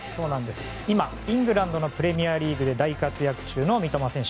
今、イングランドのプレミアリーグで大活躍中の三笘選手。